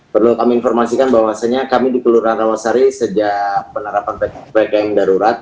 perlu kami informasikan bahwasannya kami di kelurahan rawasari sejak penerapan ppkm darurat